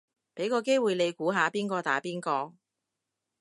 俾個機會你估下邊個打邊個